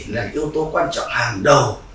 là yếu tố quan trọng hàng đầu